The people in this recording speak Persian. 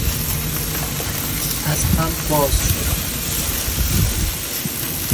از هم باز شدن